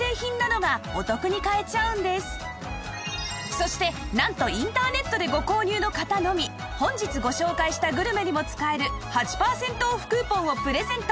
そしてなんとインターネットでご購入の方のみ本日ご紹介したグルメにも使える８パーセントオフクーポンをプレゼント